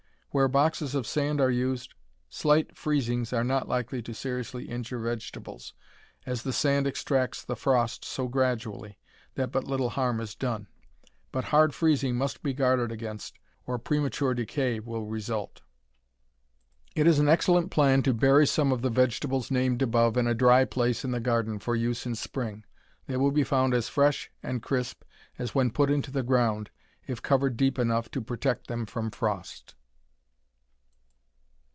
Where boxes of sand are used, slight freezings are not likely to seriously injure vegetables, as the sand extracts the frost so gradually that but little harm is done. But hard freezing must be guarded against or premature decay will result. It is an excellent plan to bury some of the vegetables named above in a dry place in the garden, for use in spring. They will be found as fresh and crisp as when put into the ground, if covered deep enough to protect them from frost.